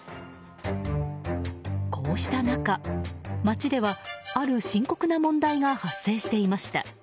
こうした中、街ではある深刻な問題が発生していました。